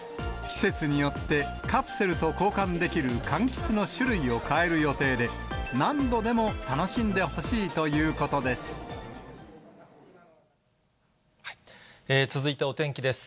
季節によってカプセルと交換できるかんきつの種類を変える予定で、何度でも楽しんでほしいと続いてお天気です。